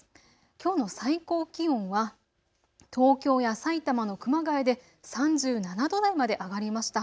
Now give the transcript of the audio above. きょうの最高気温は東京や埼玉の熊谷で３７度台まで上がりました。